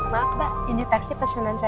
maaf mbak ini taksi pesanan saya